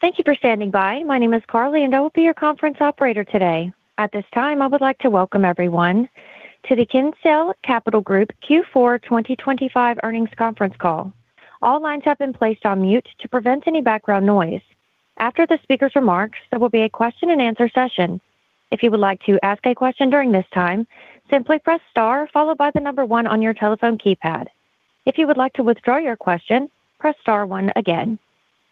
Thank you for standing by. My name is Carly, and I will be your conference operator today. At this time, I would like to welcome everyone to the Kinsale Capital Group Q4 2025 earnings conference call. All lines have been placed on mute to prevent any background noise. After the speaker's remarks, there will be a question-and-answer session. If you would like to ask a question during this time, simply press star followed by the number one on your telephone keypad. If you would like to withdraw your question, press star one again.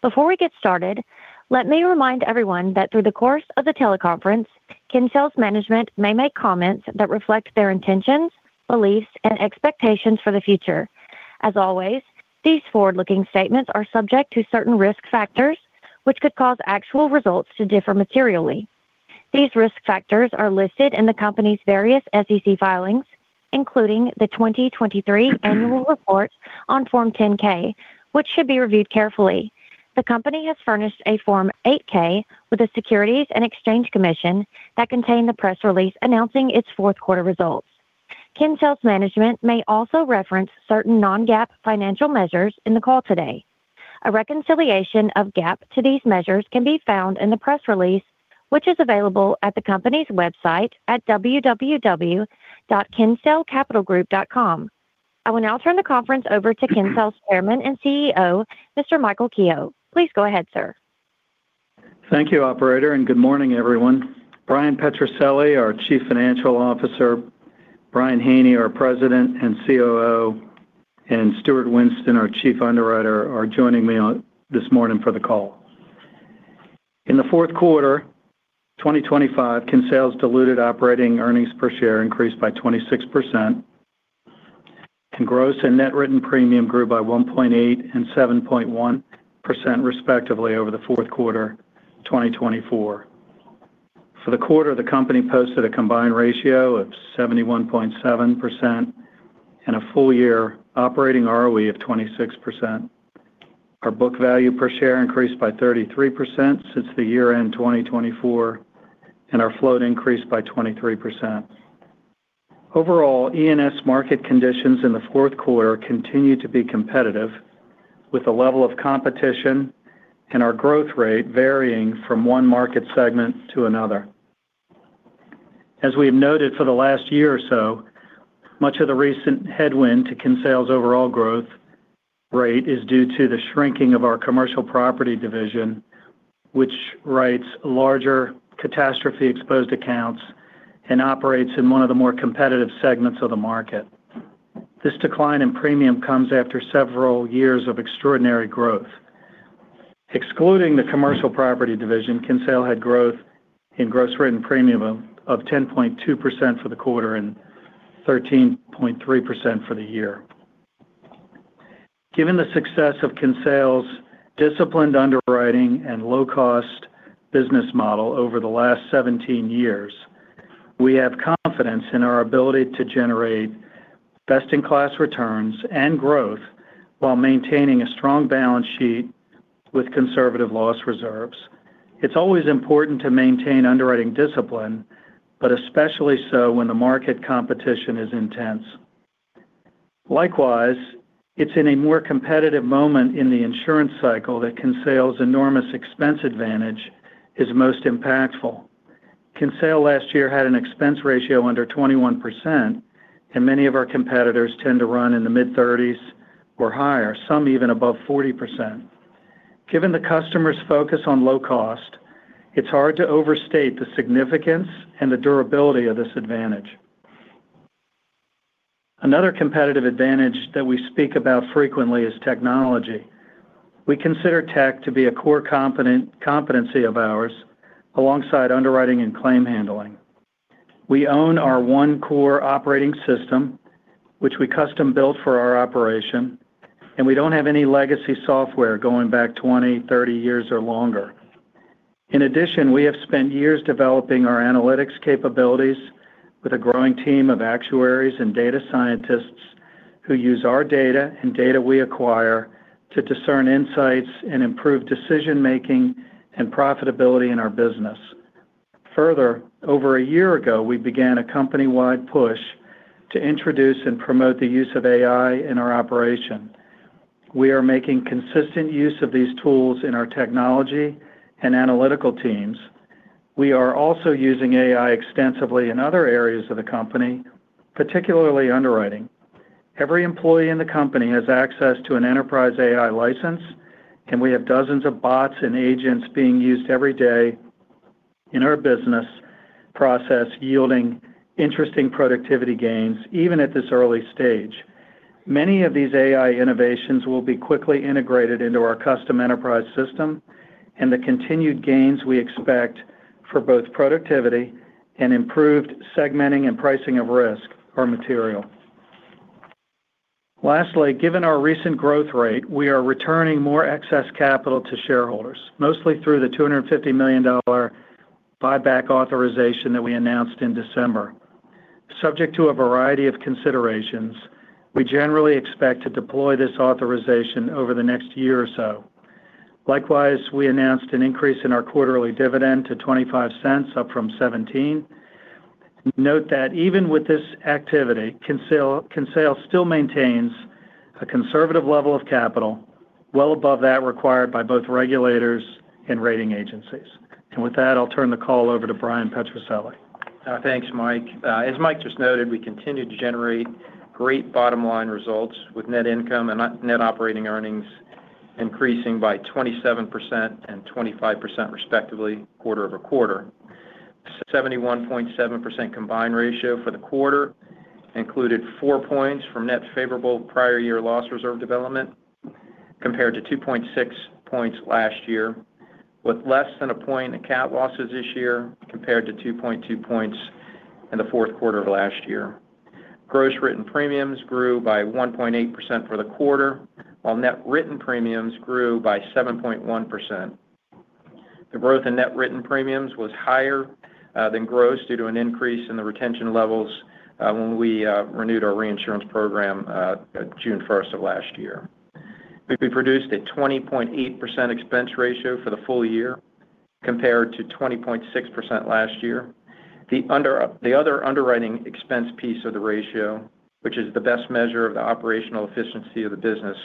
Before we get started, let me remind everyone that through the course of the teleconference, Kinsale's management may make comments that reflect their intentions, beliefs, and expectations for the future. As always, these forward-looking statements are subject to certain risk factors, which could cause actual results to differ materially. These risk factors are listed in the company's various SEC filings, including the 2023 annual report on Form 10-K, which should be reviewed carefully. The company has furnished a Form 8-K with the Securities and Exchange Commission that contained the press release announcing its fourth quarter results. Kinsale's management may also reference certain non-GAAP financial measures in the call today. A reconciliation of GAAP to these measures can be found in the press release, which is available at the company's website at www.kinsalecapitalgroup.com. I will now turn the conference over to Kinsale's Chairman and CEO, Mr. Michael Kehoe. Please go ahead, sir. Thank you, operator, and good morning, everyone. Bryan Petrucelli, our Chief Financial Officer, Brian Haney, our President and COO, and Stuart Winston, our Chief Underwriter, are joining me this morning for the call. In the fourth quarter, 2025, Kinsale's diluted operating earnings per share increased by 26%, and gross and net written premium grew by 1.8% and 7.1%, respectively, over the fourth quarter, 2024. For the quarter, the company posted a combined ratio of 71.7% and a full-year operating ROE of 26%. Our book value per share increased by 33% since the year-end 2024, and our float increased by 23%. Overall, E&S market conditions in the fourth quarter continued to be competitive, with the level of competition and our growth rate varying from one market segment to another. As we have noted for the last year or so, much of the recent headwind to Kinsale's overall growth rate is due to the shrinking of our commercial property division, which writes larger catastrophe-exposed accounts and operates in one of the more competitive segments of the market. This decline in premium comes after several years of extraordinary growth. Excluding the commercial property division, Kinsale had growth in gross written premium of 10.2% for the quarter and 13.3% for the year. Given the success of Kinsale's disciplined underwriting and low-cost business model over the last 17 years, we have confidence in our ability to generate best-in-class returns and growth while maintaining a strong balance sheet with conservative loss reserves. It's always important to maintain underwriting discipline, but especially so when the market competition is intense. Likewise, it's in a more competitive moment in the insurance cycle that Kinsale's enormous expense advantage is most impactful. Kinsale last year had an expense ratio under 21%, and many of our competitors tend to run in the mid-30s or higher, some even above 40%. Given the customer's focus on low cost, it's hard to overstate the significance and the durability of this advantage. Another competitive advantage that we speak about frequently is technology. We consider tech to be a core competent, competency of ours, alongside underwriting and claim handling. We own our one core operating system, which we custom-built for our operation, and we don't have any legacy software going back 20, 30 years, or longer. In addition, we have spent years developing our analytics capabilities with a growing team of actuaries and data scientists who use our data and data we acquire to discern insights and improve decision-making and profitability in our business. Further, over a year ago, we began a company-wide push to introduce and promote the use of AI in our operation. We are making consistent use of these tools in our technology and analytical teams. We are also using AI extensively in other areas of the company, particularly underwriting. Every employee in the company has access to an enterprise AI license, and we have dozens of bots and agents being used every day in our business process, yielding interesting productivity gains, even at this early stage. Many of these AI innovations will be quickly integrated into our custom enterprise system, and the continued gains we expect for both productivity and improved segmenting and pricing of risk are material. Lastly, given our recent growth rate, we are returning more excess capital to shareholders, mostly through the $250 million buyback authorization that we announced in December. Subject to a variety of considerations, we generally expect to deploy this authorization over the next year or so. Likewise, we announced an increase in our quarterly dividend to $0.25, up from $0.17. Note that even with this activity, Kinsale still maintains a conservative level of capital well above that required by both regulators and rating agencies. And with that, I'll turn the call over to Bryan Petrucelli. Thanks, Mike. As Mike just noted, we continue to generate great bottom-line results with net income and net operating earnings increasing by 27% and 25%, respectively, quarter-over-quarter. 71.7% Combined Ratio for the quarter included four points from net favorable prior year loss reserve development, compared to 2.6 points last year, with less than a point in cat losses this year, compared to 2.2 points in the fourth quarter of last year. Gross written premiums grew by 1.8% for the quarter, while net written premiums grew by 7.1%. The growth in net written premiums was higher than gross due to an increase in the retention levels when we renewed our reinsurance program at June first of last year. We produced a 20.8% expense ratio for the full year, compared to 20.6% last year. The other underwriting expense piece of the ratio, which is the best measure of the operational efficiency of the business,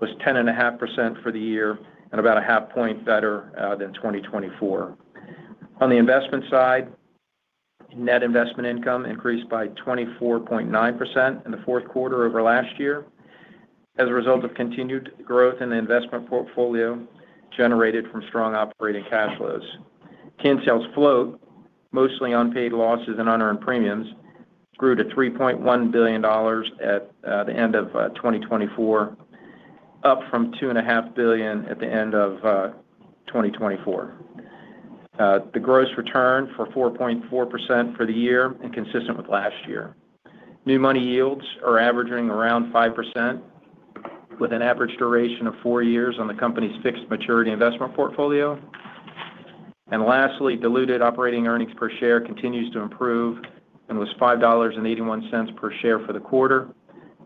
was 10.5% for the year and about a half point better than 2024. On the investment side, net investment income increased by 24.9% in the fourth quarter over last year, as a result of continued growth in the investment portfolio generated from strong operating cash flows. Kinsale's float, mostly unpaid losses and unearned premiums, grew to $3.1 billion at the end of 2024, up from $2.5 billion at the end of 2024. The gross return for 4.4% for the year and consistent with last year. New money yields are averaging around 5%, with an average duration of 4 years on the company's fixed maturity investment portfolio. And lastly, diluted operating earnings per share continues to improve and was $5.81 per share for the quarter,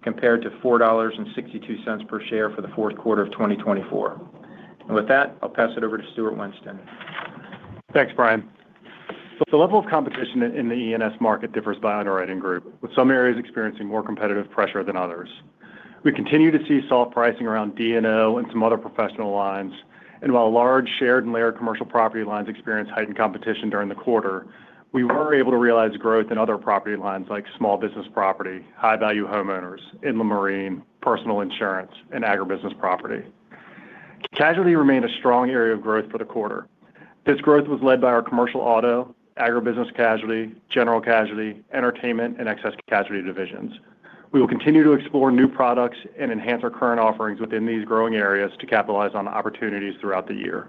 compared to $4.62 per share for the fourth quarter of 2024. And with that, I'll pass it over to Stuart Winston. Thanks, Bryan. The level of competition in the E&S market differs by underwriting group, with some areas experiencing more competitive pressure than others. We continue to see soft pricing around D&O and some other professional lines, and while large, shared, and layered commercial property lines experienced heightened competition during the quarter, we were able to realize growth in other property lines, like small business property, high-value homeowners, inland marine, personal insurance, and agribusiness property. Casualty remained a strong area of growth for the quarter. This growth was led by our commercial auto, agribusiness casualty, general casualty, entertainment, and excess casualty divisions. We will continue to explore new products and enhance our current offerings within these growing areas to capitalize on opportunities throughout the year.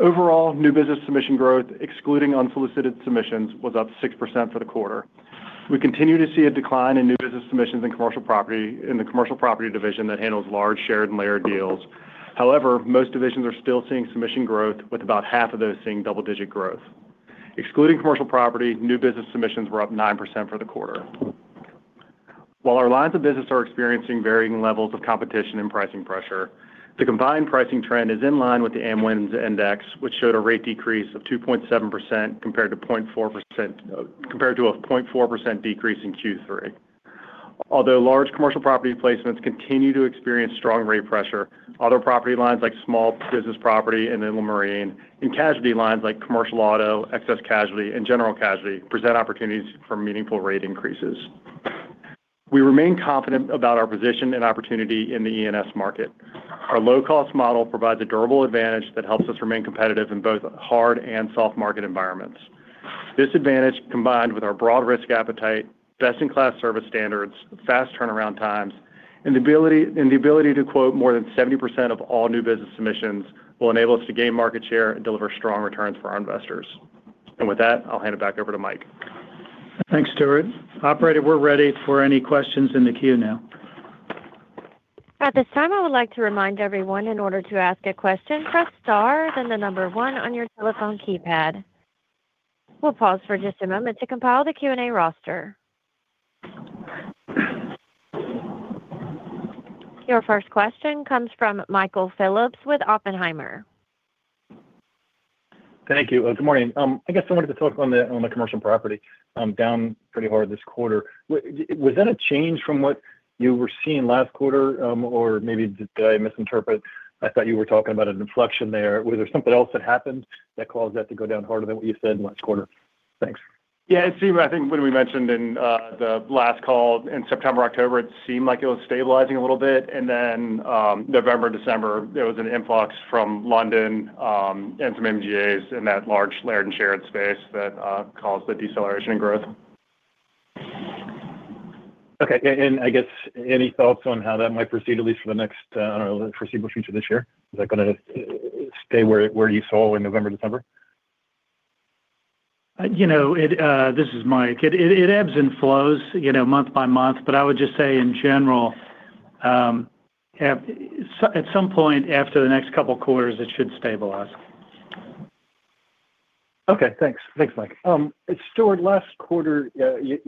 Overall, new business submission growth, excluding unsolicited submissions, was up 6% for the quarter. We continue to see a decline in new business submissions in commercial property, in the commercial property division that handles large, shared, and layered deals. However, most divisions are still seeing submission growth, with about half of those seeing double-digit growth. Excluding commercial property, new business submissions were up 9% for the quarter. While our lines of business are experiencing varying levels of competition and pricing pressure, the combined pricing trend is in line with the Amwins Index, which showed a rate decrease of 2.7% compared to 0.4%, compared to a 0.4% decrease in Q3. Although large commercial property placements continue to experience strong rate pressure, other property lines like small business property and inland marine, and casualty lines like commercial auto, excess casualty, and general casualty, present opportunities for meaningful rate increases. We remain confident about our position and opportunity in the E&S market. Our low-cost model provides a durable advantage that helps us remain competitive in both hard and soft market environments. This advantage, combined with our broad risk appetite, best-in-class service standards, fast turnaround times, and the ability to quote more than 70% of all new business submissions, will enable us to gain market share and deliver strong returns for our investors. And with that, I'll hand it back over to Mike. Thanks, Stuart. Operator, we're ready for any questions in the queue now. At this time, I would like to remind everyone, in order to ask a question, press star, then the number one on your telephone keypad. We'll pause for just a moment to compile the Q&A roster. Your first question comes from Michael Phillips with Oppenheimer. Thank you, and good morning. I guess I wanted to talk on the, on the commercial property, down pretty hard this quarter. Was that a change from what you were seeing last quarter? Or maybe did I misinterpret? I thought you were talking about an inflection there. Was there something else that happened that caused that to go down harder than what you said last quarter? Thanks. Yeah, it seemed, I think what we mentioned in, the last call in September, October, it seemed like it was stabilizing a little bit, and then, November, December, there was an influx from London, and some MGAs in that large layered and shared space that, caused the deceleration in growth. Okay. And I guess any thoughts on how that might proceed, at least for the next, I don't know, foreseeable future this year? Is that gonna stay where, where you saw in November, December? You know, this is Mike. It ebbs and flows, you know, month by month, but I would just say, in general, at some point after the next couple of quarters, it should stabilize. Okay, thanks. Thanks, Mike. Stuart, last quarter, you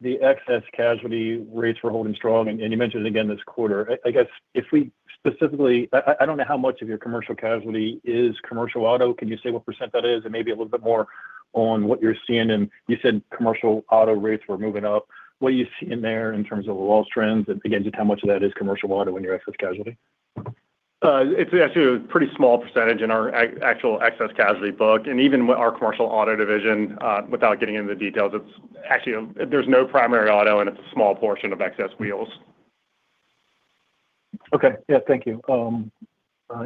said, The excess casualty rates were holding strong, and you mentioned it again this quarter. I don't know how much of your commercial casualty is commercial auto. Can you say what percent that is? And maybe a little bit more on what you're seeing. And you said commercial auto rates were moving up. What are you seeing there in terms of the loss trends, and again, just how much of that is commercial auto in your excess casualty? It's actually a pretty small percentage in our actual excess casualty book. Even with our commercial auto division, without getting into the details, it's actually, there's no primary auto, and it's a small portion of excess wheels. Okay. Yeah, thank you.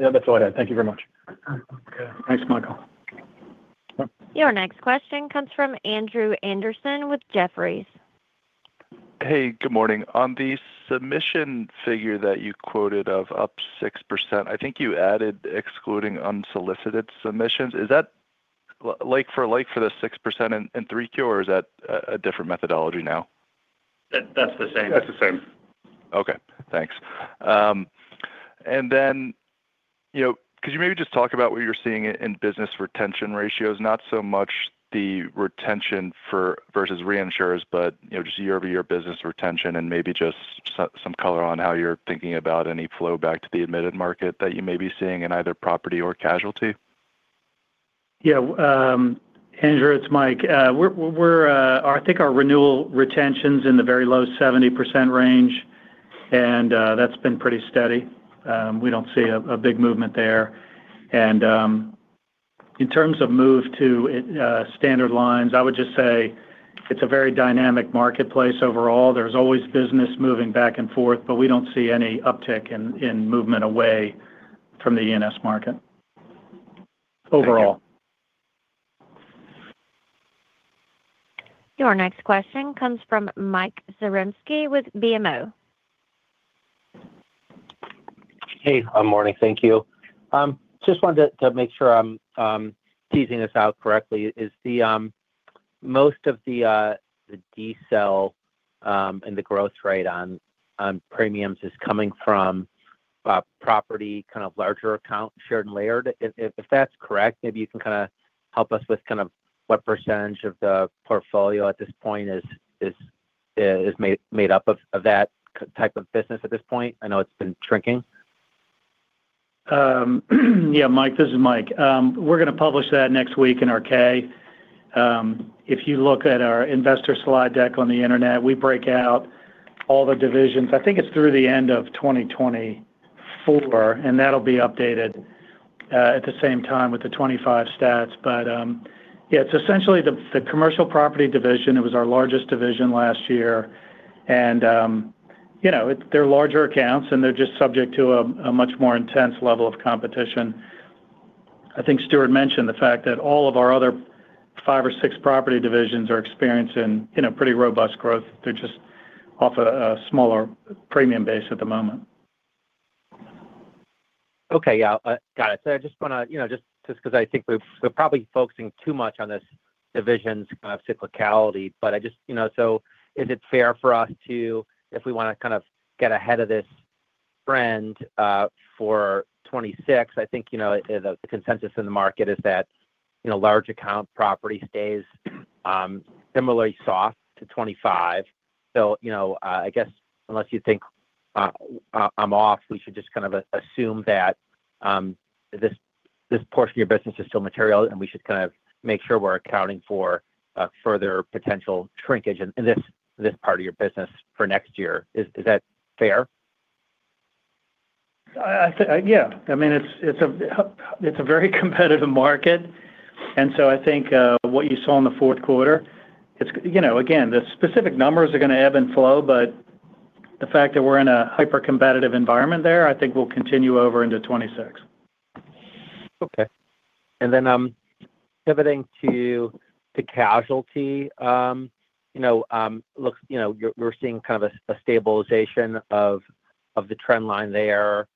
Yeah, that's all I had. Thank you very much. Thanks, Michael. Your next question comes from Andrew Andersen with Jefferies. Hey, good morning. On the submission figure that you quoted of up 6%, I think you added, excluding unsolicited submissions. Is that like for, like for the 6% in 3Q, or is that a different methodology now? That, that's the same. That's the same. Okay, thanks. And then, you know, could you maybe just talk about what you're seeing in business retention ratios? Not so much the retention for versus reinsurers, but, you know, just year-over-year business retention, and maybe just some color on how you're thinking about any flow back to the admitted market that you may be seeing in either property or casualty. Yeah, Andrew, it's Mike. I think our renewal retention's in the very low 70% range, and that's been pretty steady. We don't see a big movement there. And, in terms of move to it, standard lines, I would just say it's a very dynamic marketplace overall. There's always business moving back and forth, but we don't see any uptick in movement away from the E&S market overall. Thank you. Your next question comes from Mike Zaremski with BMO. Hey, good morning. Thank you. Just wanted to make sure I'm teasing this out correctly. Is the most of the decel and the growth rate on premiums coming from property, kind of larger account, shared and layered? If that's correct, maybe you can kind of help us with kind of what percentage of the portfolio at this point is made up of that k- type of business at this point? I know it's been shrinking. Yeah, Mike, this is Mike. We're going to publish that next week in our 10-K. If you look at our investor slide deck on the internet, we break out all the divisions. I think it's through the end of 2024, and that'll be updated at the same time with the 2025 stats. But, yeah, it's essentially the commercial property division, it was our largest division last year. And, you know, they're larger accounts, and they're just subject to a much more intense level of competition. I think Stuart mentioned the fact that all of our other five or six property divisions are experiencing, you know, pretty robust growth. They're just off a smaller premium base at the moment. Okay, yeah, got it. So I just want to, you know, just 'cause I think we're probably focusing too much on this division's kind of cyclicality, but I just, you know... So is it fair for us to, if we want to kind of get ahead of this trend, for 2026, I think, you know, the consensus in the market is that, you know, large account property stays, similarly soft to 2025. So, you know, I guess unless you think, I'm off, we should just kind of assume that, this, this portion of your business is still material, and we should kind of make sure we're accounting for, further potential shrinkage in, in this part of your business for next year. Is that fair? I, yeah. I mean, it's, it's a, it's a very competitive market, and so I think, what you saw in the fourth quarter, it's... You know, again, the specific numbers are going to ebb and flow, but the fact that we're in a hyper-competitive environment there, I think will continue over into 2026. Okay. And then, pivoting to casualty, you know, looks, you know, you're, we're seeing kind of a stabilization of the trend line there,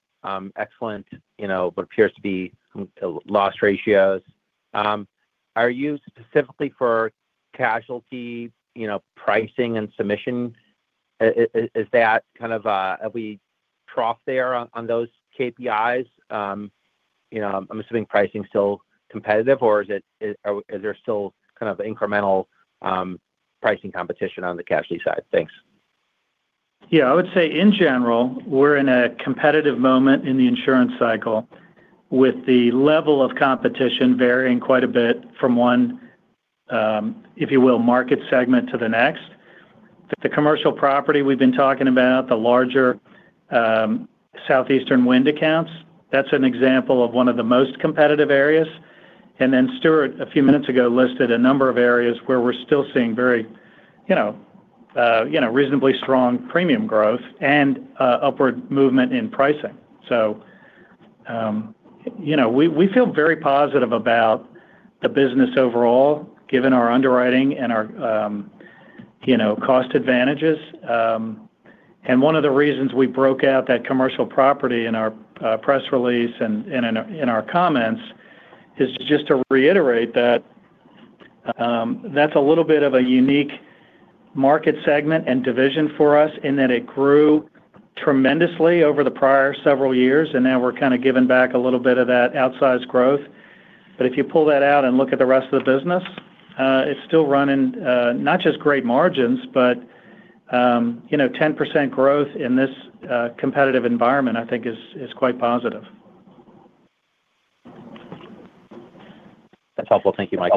excellent, you know, what appears to be loss ratios. Are you specifically for casualty, you know, pricing and submission, is that kind of are we trough there on those KPIs? You know, I'm assuming pricing is still competitive, or is it, or is there still kind of incremental pricing competition on the casualty side? Thanks. Yeah, I would say in general, we're in a competitive moment in the insurance cycle, with the level of competition varying quite a bit from one, if you will, market segment to the next. The commercial property we've been talking about, the larger, southeastern wind accounts, that's an example of one of the most competitive areas. And then Stuart, a few minutes ago, listed a number of areas where we're still seeing very, you know, you know, reasonably strong premium growth and, upward movement in pricing. So, you know, we, we feel very positive about the business overall, given our underwriting and our, you know, cost advantages. And one of the reasons we broke out that commercial property in our press release and in our, in our comments is just to reiterate that, that's a little bit of a unique market segment and division for us, in that it grew tremendously over the prior several years, and now we're kind of giving back a little bit of that outsized growth. But if you pull that out and look at the rest of the business, it's still running, not just great margins, but, you know, 10% growth in this competitive environment, I think is quite positive. That's helpful. Thank you, Mike.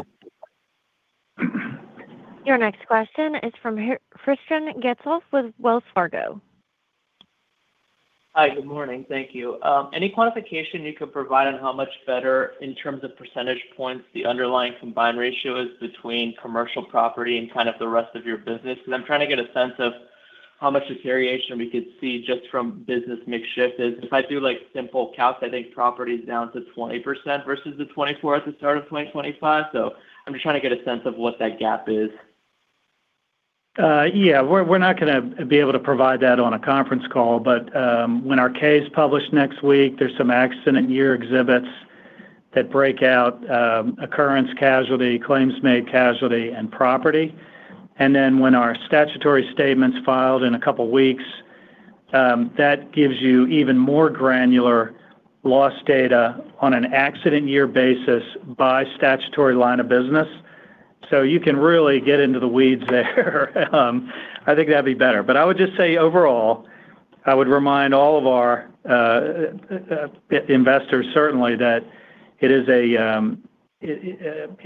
Your next question is from Christian Getzoff with Wells Fargo. Hi, good morning. Thank you. Any quantification you could provide on how much better in terms of percentage points the underlying combined ratio is between commercial property and kind of the rest of your business? Because I'm trying to get a sense of how much deterioration we could see just from business mix shift. If I do, like, simple calcs, I think property is down to 20% versus the 24 at the start of 2025. So I'm just trying to get a sense of what that gap is. Yeah, we're not gonna be able to provide that on a conference call, but when our 10-K is published next week, there's some accident year exhibits that break out occurrence, casualty, claims made, casualty, and property. And then when our statutory statement's filed in a couple weeks, that gives you even more granular loss data on an accident year basis by statutory line of business. So you can really get into the weeds there. I think that'd be better. But I would just say, overall, I would remind all of our investors, certainly, that it is a, you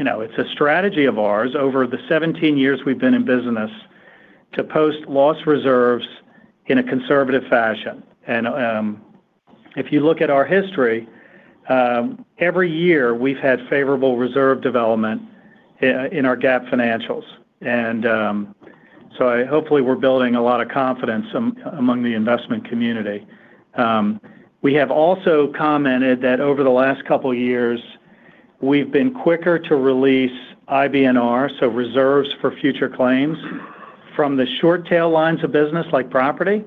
know, it's a strategy of ours over the 17 years we've been in business to post loss reserves in a conservative fashion. If you look at our history, every year we've had favorable reserve development in our GAAP financials. So hopefully we're building a lot of confidence among the investment community. We have also commented that over the last couple years, we've been quicker to release IBNR, so reserves for future claims, from the short tail lines of business like property,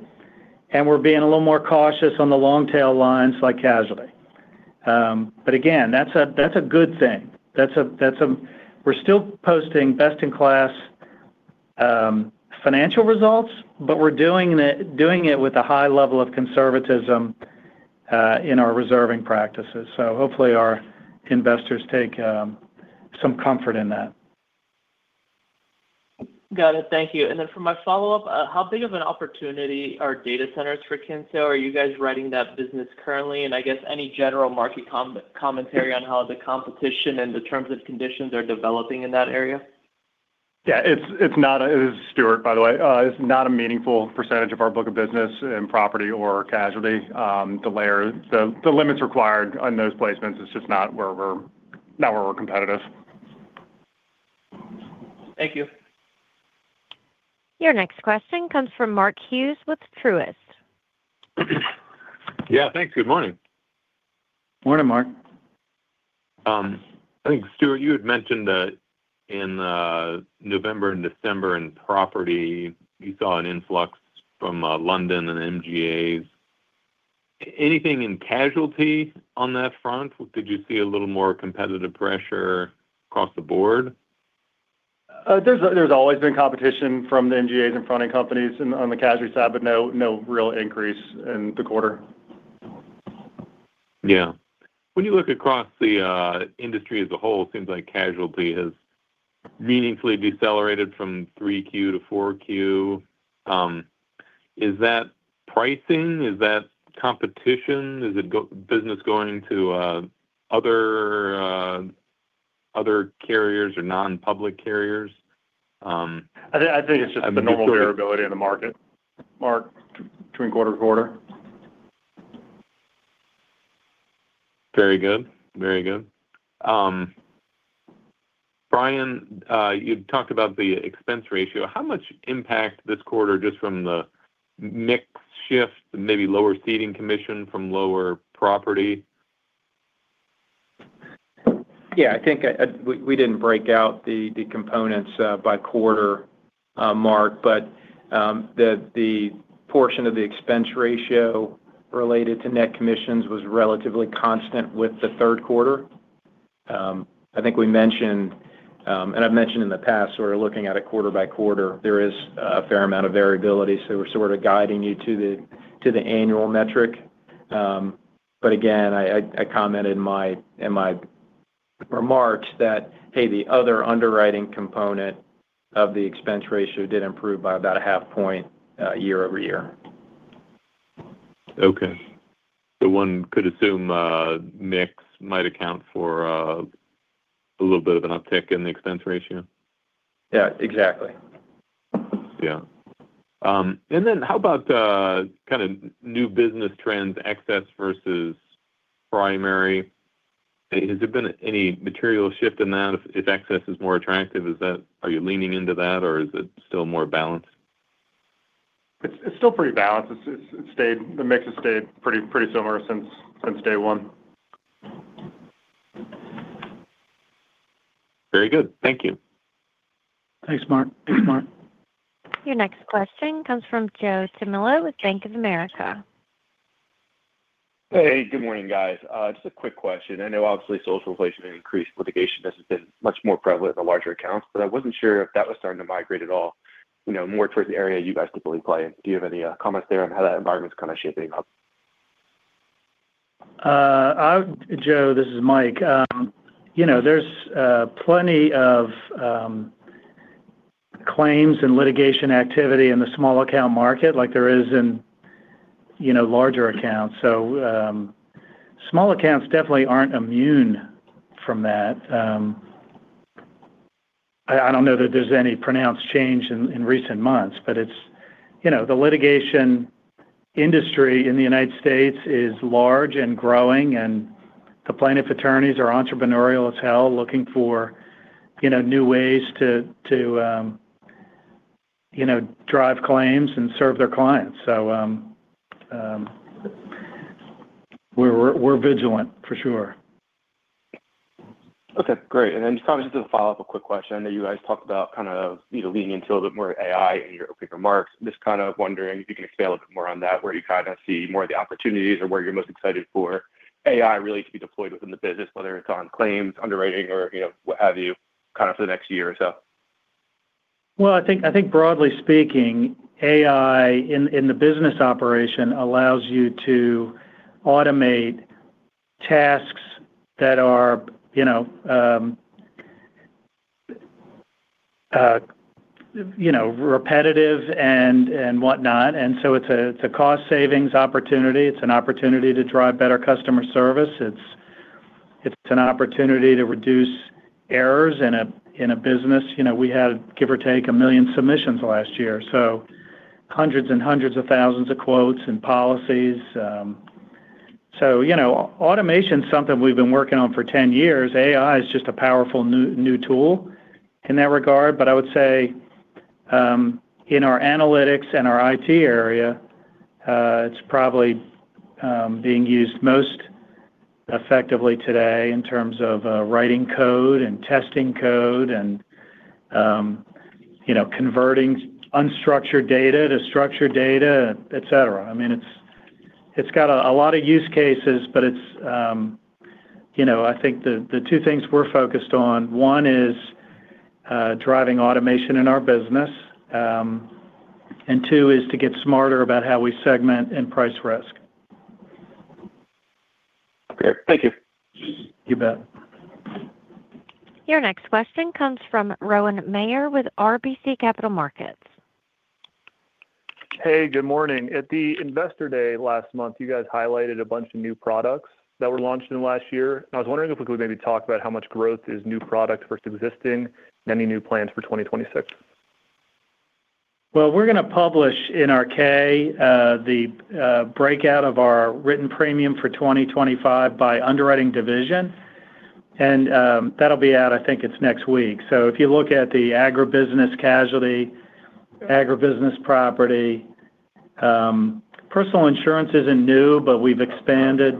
and we're being a little more cautious on the long tail lines like casualty. But again, that's a good thing. We're still posting best-in-class financial results, but we're doing it with a high level of conservatism in our reserving practices. So hopefully our investors take some comfort in that. Got it. Thank you. And then for my follow-up, how big of an opportunity are data centers for Kinsale? Are you guys writing that business currently? And I guess any general market commentary on how the competition and the terms and conditions are developing in that area. Yeah, it's not a... This is Stuart, by the way. It's not a meaningful percentage of our book of business in property or casualty. The layer, the limits required on those placements, it's just not where we're competitive. Thank you. Your next question comes from Mark Hughes with Truist. Yeah, thanks. Good morning. Morning, Mark. I think, Stuart, you had mentioned that in November and December in property, you saw an influx from London and MGAs. Anything in casualty on that front? Did you see a little more competitive pressure across the board? There's always been competition from the MGAs and fronting companies on the casualty side, but no real increase in the quarter. Yeah. When you look across the industry as a whole, it seems like casualty has meaningfully decelerated from 3Q to 4Q. Is that pricing? Is that competition? Is it business going to other carriers or non-public carriers? I think it's just the normal variability in the market- Mark, between quarter to quarter. Very good. Very good. Bryan, you talked about the expense ratio. How much impact this quarter just from the mix shift, maybe lower ceding commission from lower property? Yeah, I think, we didn't break out the components by quarter, Mark, but the portion of the expense ratio related to net commissions was relatively constant with the third quarter. I think we mentioned, and I've mentioned in the past, we're looking at it quarter by quarter. There is a fair amount of variability, so we're sort of guiding you to the annual metric. But again, I commented in my remarks that, hey, the other underwriting component of the expense ratio did improve by about a half point year-over-year. Okay. So one could assume mix might account for a little bit of an uptick in the expense ratio? Yeah, exactly. Yeah. And then how about kind of new business trends, excess versus primary? Has there been any material shift in that? If, if excess is more attractive, is that- are you leaning into that, or is it still more balanced? It's still pretty balanced. The mix has stayed pretty similar since day one. Very good. Thank you. Thanks, Mark. Thanks, Mark. Your next question comes from Joe Tamillo with Bank of America. Hey, good morning, guys. Just a quick question. I know obviously social inflation and increased litigation, this has been much more prevalent in the larger accounts, but I wasn't sure if that was starting to migrate at all, you know, more towards the area you guys typically play in. Do you have any comments there on how that environment's kind of shaping up? Joe, this is Mike. You know, there's plenty of claims and litigation activity in the small account market like there is in, you know, larger accounts. So, small accounts definitely aren't immune from that. I don't know that there's any pronounced change in recent months, but it's, you know, the litigation industry in the United States is large and growing, and the plaintiff attorneys are entrepreneurial as hell, looking for, you know, new ways to, you know, drive claims and serve their clients. So, we're vigilant for sure. Okay, great. And then probably just to follow up a quick question. I know you guys talked about kind of, you know, leaning into a little bit more AI in your opening remarks. Just kind of wondering if you can expand a bit more on that, where you kind of see more of the opportunities or where you're most excited for AI really to be deployed within the business, whether it's on claims, underwriting or, you know, what have you, kind of for the next year or so? Well, I think broadly speaking, AI in the business operation allows you to automate tasks that are, you know, repetitive and whatnot. So it's a cost savings opportunity. It's an opportunity to drive better customer service. It's an opportunity to reduce errors in a business. You know, we had, give or take, 1 million submissions last year, so hundreds and hundreds of thousands of quotes and policies. So, you know, automation is something we've been working on for 10 years. AI is just a powerful new tool in that regard. But I would say, in our analytics and our IT area, it's probably being used most effectively today in terms of writing code and testing code and, you know, converting unstructured data to structured data, et cetera. I mean, it's got a lot of use cases, but it's. You know, I think the two things we're focused on, one is driving automation in our business, and two is to get smarter about how we segment and price risk. Great. Thank you. You bet. Your next question comes from Rowan Mayer with RBC Capital Markets. Hey, good morning. At the Investor Day last month, you guys highlighted a bunch of new products that were launched in the last year. I was wondering if we could maybe talk about how much growth is new products versus existing, and any new plans for 2026. Well, we're going to publish in our K, the breakout of our written premium for 2025 by underwriting division, and, that'll be out, I think it's next week. So if you look at the agribusiness casualty, agribusiness property, personal insurance isn't new, but we've expanded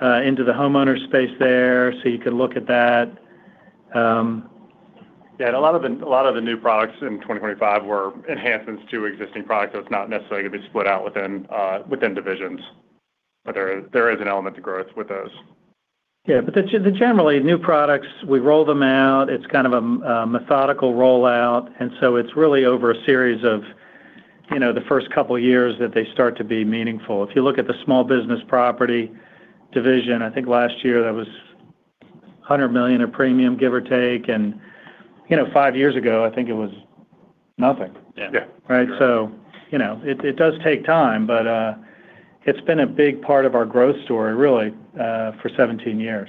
into the homeowner space there, so you could look at that. Yeah, and a lot of the new products in 2025 were enhancements to existing products. So it's not necessarily going to be split out within divisions, but there is an element of growth with those. Yeah, but the generally new products, we roll them out. It's kind of a methodical rollout, and so it's really over a series of, you know, the first couple of years that they start to be meaningful. If you look at the small business property division, I think last year that was $100 million of premium, give or take, and, you know, five years ago, I think it was nothing. Yeah. Right? So, you know, it does take time, but it's been a big part of our growth story, really, for 17 years.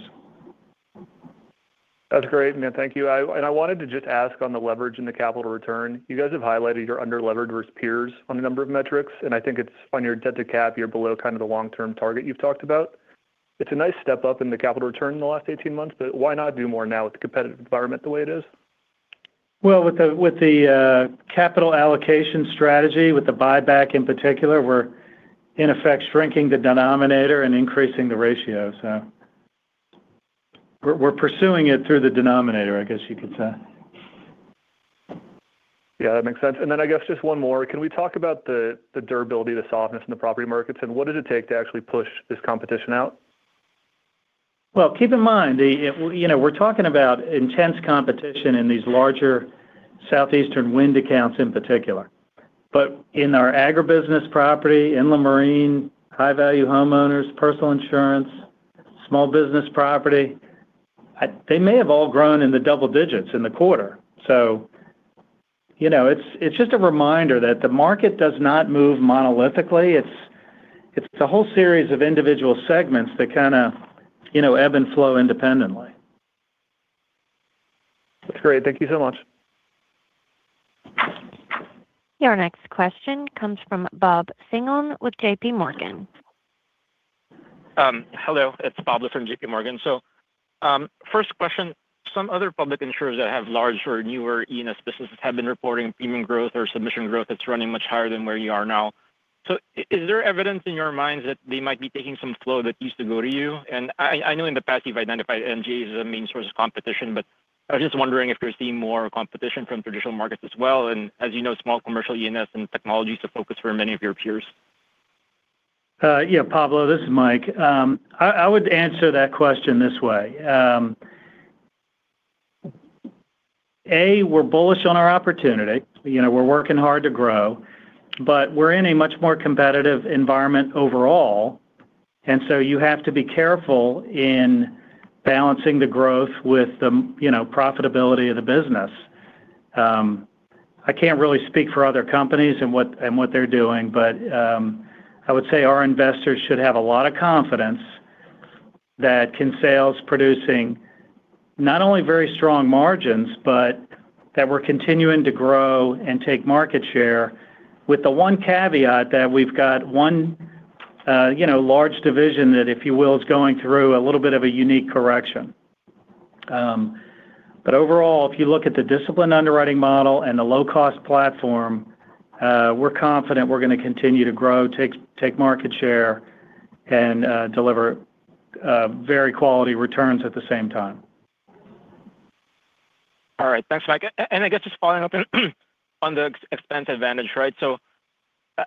That's great. Man, thank you. And I wanted to just ask on the leverage and the capital return. You guys have highlighted you're under-levered versus peers on a number of metrics, and I think it's on your debt to cap, you're below kind of the long-term target you've talked about. It's a nice step up in the capital return in the last 18 months, but why not do more now with the competitive environment the way it is? Well, with the capital allocation strategy, with the buyback in particular, we're in effect shrinking the denominator and increasing the ratio. So we're pursuing it through the denominator, I guess you could say. Yeah, that makes sense. And then I guess just one more. Can we talk about the, the durability, the softness in the property markets, and what did it take to actually push this competition out? Well, keep in mind, you know, we're talking about intense competition in these larger Southeastern wind accounts in particular. But in our agribusiness property, inland marine, high-value homeowners, personal insurance, small business property, they may have all grown in the double digits in the quarter. So, you know, it's just a reminder that the market does not move monolithically. It's a whole series of individual segments that kind of, you know, ebb and flow independently. That's great. Thank you so much. Your next question comes from Pablo Singzon with JP Morgan. Hello, it's Pablo with JP Morgan. So, first question. Some other public insurers that have large or newer E&S businesses have been reporting premium growth or submission growth that's running much higher than where you are now. So is there evidence in your minds that they might be taking some flow that used to go to you? And I know in the past you've identified MGA as a main source of competition, but I was just wondering if you're seeing more competition from traditional markets as well. And as you know, small commercial E&S and technology is a focus for many of your peers.... Yeah, Pablo, this is Mike. I would answer that question this way: A, we're bullish on our opportunity. You know, we're working hard to grow, but we're in a much more competitive environment overall, and so you have to be careful in balancing the growth with the, you know, profitability of the business. I can't really speak for other companies and what they're doing, but I would say our investors should have a lot of confidence that Kinsale's producing not only very strong margins, but that we're continuing to grow and take market share, with the one caveat that we've got one, you know, large division that, if you will, is going through a little bit of a unique correction. But overall, if you look at the disciplined underwriting model and the low-cost platform, we're confident we're going to continue to grow, take market share, and deliver very quality returns at the same time. All right. Thanks, Mike. And I guess just following up on the expense advantage, right? So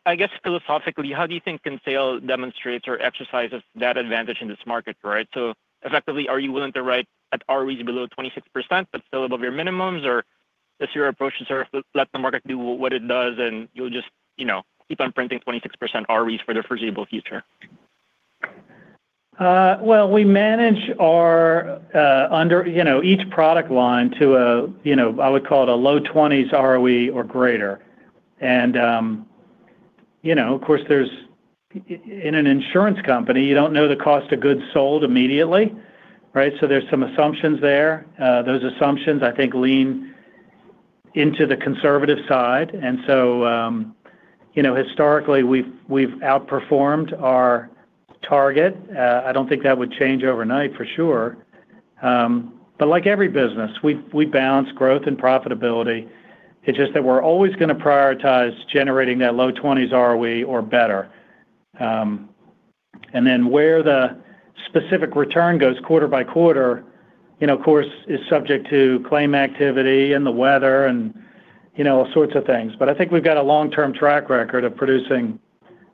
I guess philosophically, how do you think Kinsale demonstrates or exercises that advantage in this market, right? So effectively, are you willing to write at ROEs below 26%, but still above your minimums? Or is your approach to sort of let the market do what it does and you'll just, you know, keep on printing 26% ROEs for the foreseeable future? Well, we manage our, you know, each product line to a, you know, I would call it a low 20s ROE or greater. And, you know, of course, there's in an insurance company, you don't know the cost of goods sold immediately, right? So there's some assumptions there. Those assumptions, I think, lean into the conservative side. And so, you know, historically, we've outperformed our target. I don't think that would change overnight for sure. But like every business, we balance growth and profitability. It's just that we're always going to prioritize generating that low 20s ROE or better. And then where the specific return goes quarter by quarter, you know, of course, is subject to claim activity and the weather and, you know, all sorts of things. I think we've got a long-term track record of producing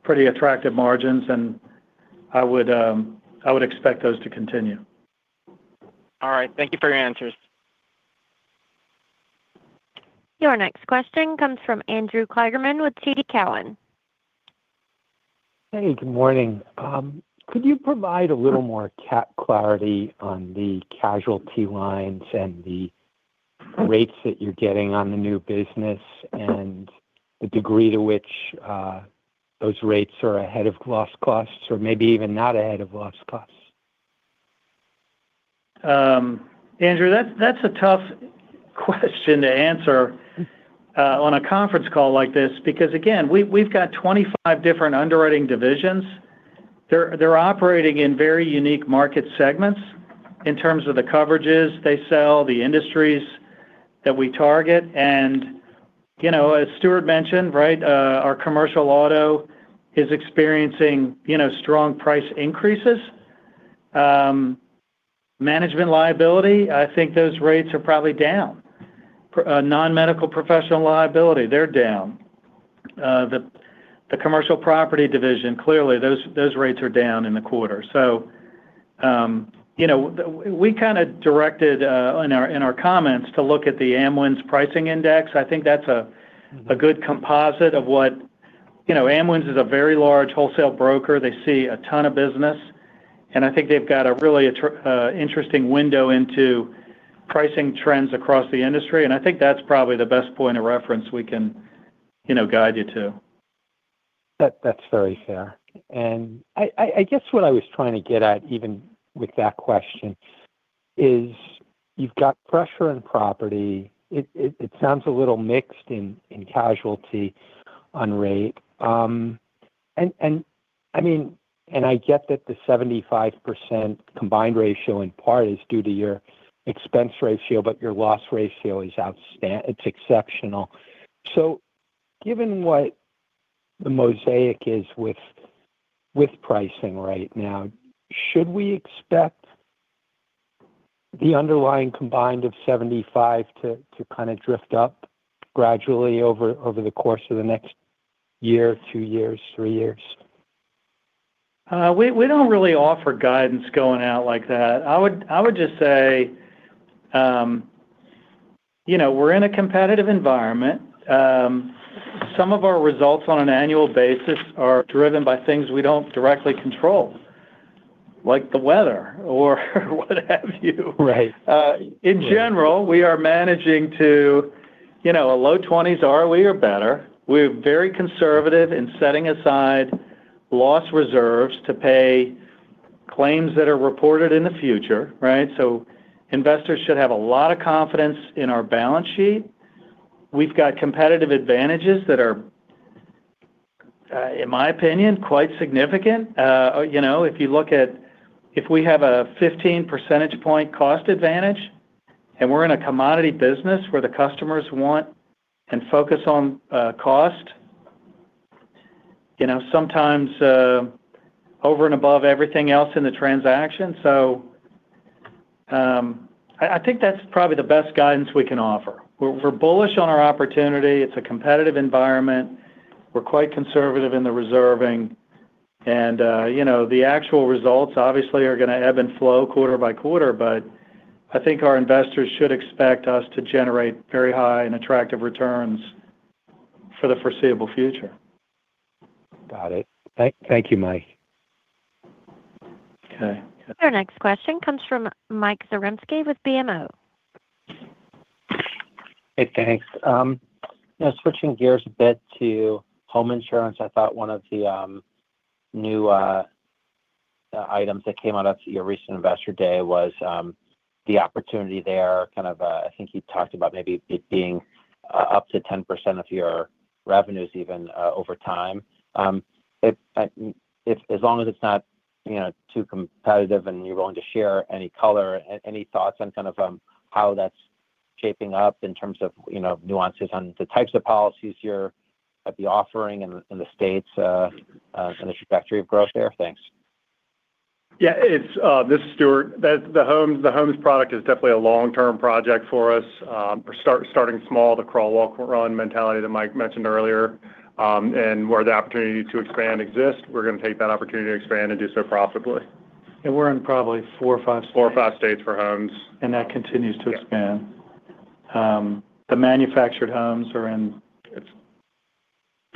pretty attractive margins, and I would expect those to continue. All right. Thank you for your answers. Your next question comes from Andrew Kligerman with TD Cowen. Hey, good morning. Could you provide a little more clarity on the casualty lines and the rates that you're getting on the new business, and the degree to which those rates are ahead of loss costs or maybe even not ahead of loss costs? Andrew, that's a tough question to answer on a conference call like this, because, again, we've got 25 different underwriting divisions. They're operating in very unique market segments in terms of the coverages they sell, the industries that we target. And, you know, as Stuart mentioned, right, our commercial auto is experiencing, you know, strong price increases. Management liability, I think those rates are probably down. Non-medical professional liability, they're down. The commercial property division, clearly, those rates are down in the quarter. So, you know, we kind of directed in our comments to look at the Amwins Pricing Index. I think that's a good composite of what... You know, Amwins is a very large wholesale broker. They see a ton of business, and I think they've got a really interesting window into pricing trends across the industry. I think that's probably the best point of reference we can, you know, guide you to. That, that's very fair. And I guess what I was trying to get at, even with that question, is you've got pressure on property. It sounds a little mixed in casualty on rate. And I mean, I get that the 75% combined ratio in part is due to your expense ratio, but your loss ratio is outstanding—it's exceptional. So given what the mosaic is with pricing right now, should we expect the underlying combined of 75 to kind of drift up gradually over the course of the next year, two years, three years? We don't really offer guidance going out like that. I would just say, you know, we're in a competitive environment. Some of our results on an annual basis are driven by things we don't directly control, like the weather or what have you. Right. In general, we are managing to, you know, a low 20s ROE or better. We're very conservative in setting aside loss reserves to pay claims that are reported in the future, right? So investors should have a lot of confidence in our balance sheet. We've got competitive advantages that are, in my opinion, quite significant. You know, if we have a 15 percentage point cost advantage, and we're in a commodity business where the customers want and focus on, cost, you know, sometimes, over and above everything else in the transaction. So, I think that's probably the best guidance we can offer. We're bullish on our opportunity. It's a competitive environment. We're quite conservative in the reserving, and, you know, the actual results obviously are gonna ebb and flow quarter by quarter. I think our investors should expect us to generate very high and attractive returns for the foreseeable future. Got it. Thank, thank you, Mike. Okay. Your next question comes from Mike Zaremski with BMO. Hey, thanks. Now switching gears a bit to home insurance, I thought one of the new items that came out at your recent Investor Day was the opportunity there, kind of, I think you talked about maybe it being up to 10% of your revenues even, over time. If as long as it's not, you know, too competitive and you're willing to share any color, any thoughts on kind of, how that's shaping up in terms of, you know, nuances on the types of policies you're offering in the States, and the trajectory of growth there? Thanks. Yeah, this is Stuart. The homes product is definitely a long-term project for us. We're starting small, the crawl, walk, run mentality that Mike mentioned earlier. And where the opportunity to expand exists, we're gonna take that opportunity to expand and do so profitably. We're in probably four or five states. 4 or 5 states for homes. That continues to expand. Yeah. The manufactured homes are in-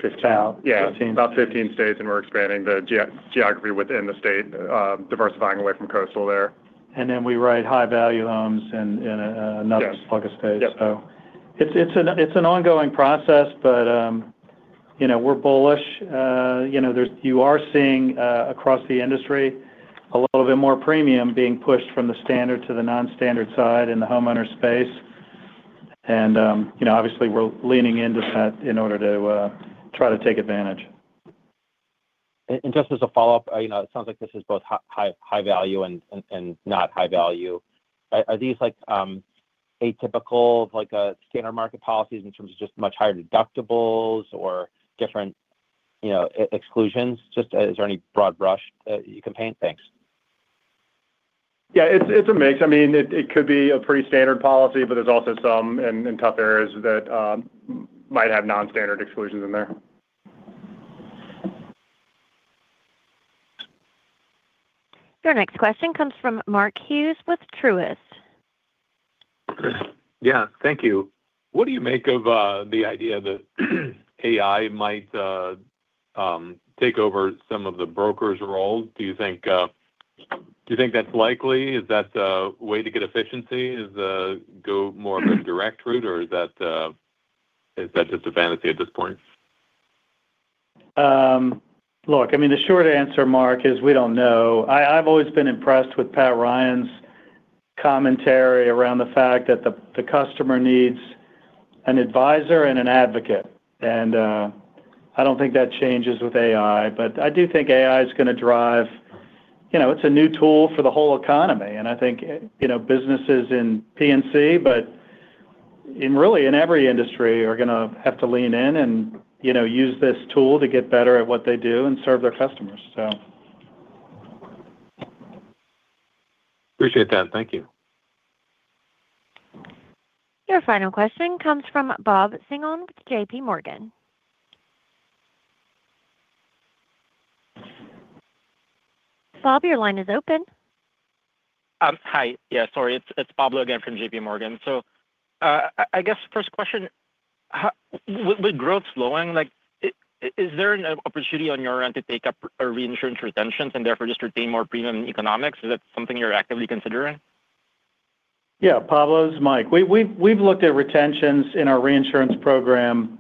It's- Fifteen. Yeah. Fifteen. About 15 states, and we're expanding the geography within the state, diversifying away from coastal there. And then we write high-value homes in another- Yes... bunch of states. Yep. So it's an ongoing process, but, you know, we're bullish. You know, there's—you are seeing across the industry a little bit more premium being pushed from the standard to the non-standard side in the homeowner space. And, you know, obviously, we're leaning into that in order to try to take advantage. And just as a follow-up, you know, it sounds like this is both high value and not high value. Are these like atypical, like standard market policies in terms of just much higher deductibles or different, you know, exclusions? Just, is there any broad brush that you can paint? Thanks. Yeah, it's a mix. I mean, it could be a pretty standard policy, but there's also some in tough areas that might have non-standard exclusions in there. Your next question comes from Mark Hughes with Truist. Yeah. Thank you. What do you make of the idea that AI might take over some of the brokers' roles? Do you think, do you think that's likely? Is that a way to get efficiency? Is go more of a direct route, or is that, is that just a fantasy at this point? Look, I mean, the short answer, Mark, is we don't know. I've always been impressed with Pat Ryan's commentary around the fact that the customer needs an advisor and an advocate, and I don't think that changes with AI. But I do think AI is gonna drive... You know, it's a new tool for the whole economy, and I think, you know, businesses in P&C, but really in every industry, are gonna have to lean in and, you know, use this tool to get better at what they do and serve their customers, so. Appreciate that. Thank you. Your final question comes from Pab Singzon with JP Morgan. Bob, your line is open. Hi. Yeah, sorry, it's Pablo again from JP Morgan. So, I guess first question: With growth slowing, like, is there an opportunity on your end to take up a reinsurance retentions and therefore just retain more premium economics? Is that something you're actively considering? Yeah, Pablo, this is Mike. We've looked at retentions in our reinsurance program.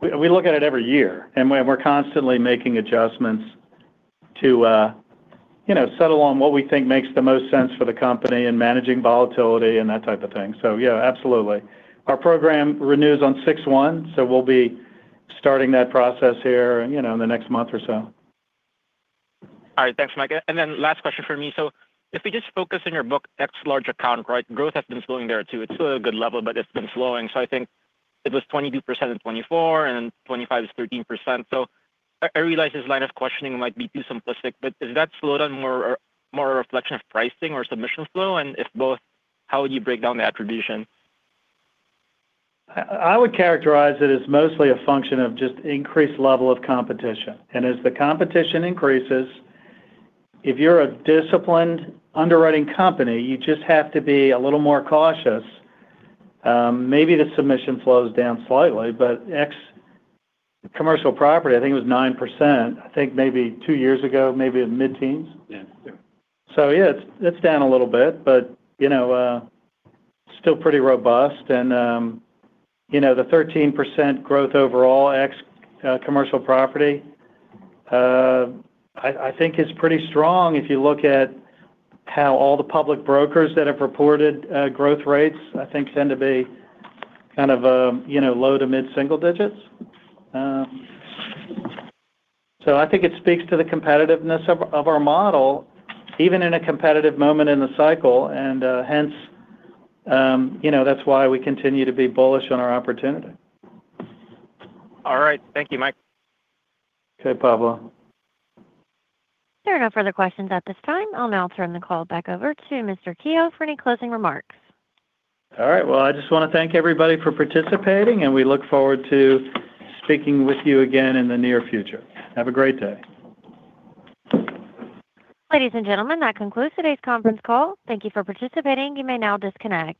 We look at it every year, and we're constantly making adjustments to, you know, settle on what we think makes the most sense for the company in managing volatility and that type of thing. So yeah, absolutely. Our program renews on 6/1, so we'll be starting that process here, you know, in the next month or so. All right. Thanks, Mike. And then last question for me. So if we just focus on your book, ex large account, right? Growth has been slowing there, too. It's still a good level, but it's been slowing. So I think it was 22% in 2024, and 2025 is 13%. So I, I realize this line of questioning might be too simplistic, but is that slowdown more, more a reflection of pricing or submission flow? And if both, how would you break down the attribution? I would characterize it as mostly a function of just increased level of competition. And as the competition increases, if you're a disciplined underwriting company, you just have to be a little more cautious. Maybe the submission flows down slightly, but X commercial property, I think it was 9%. I think maybe two years ago, maybe in mid-teens. Yeah. So yeah, it's, it's down a little bit, but, you know, still pretty robust. And, you know, the 13% growth overall, X, commercial property, I, I think is pretty strong if you look at how all the public brokers that have reported, growth rates, I think tend to be kind of, you know, low to mid-single digits. So I think it speaks to the competitiveness of, of our model, even in a competitive moment in the cycle, and, hence, you know, that's why we continue to be bullish on our opportunity. All right. Thank you, Mike. Okay, Pablo. There are no further questions at this time. I'll now turn the call back over to Mr. Kehoe for any closing remarks. All right. Well, I just wanna thank everybody for participating, and we look forward to speaking with you again in the near future. Have a great day. Ladies and gentlemen, that concludes today's conference call. Thank you for participating. You may now disconnect.